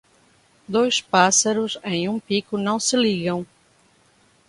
Dois pássaros em um pico não se ligam.